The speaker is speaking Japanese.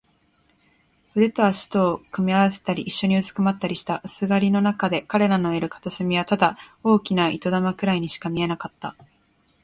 腕と脚とを組み合わせたり、いっしょにうずくまったりした。薄暗がりのなかで、彼らのいる片隅はただ大きな糸玉ぐらいにしか見えなかった。